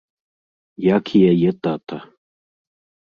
Як і яе тата.